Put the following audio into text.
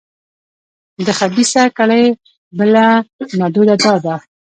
د خبیثه کړۍ بله نادوده دا ده.